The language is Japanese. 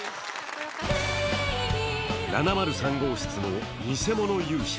７０３号室の「偽物勇者」。